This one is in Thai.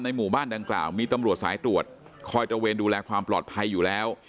ในหมู่บ้านดังกล่าวมีตำรวจสายตรวจคอยเตรียมกับรถสวนปลอดภัยอยู่แล้ว